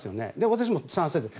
私も賛成で。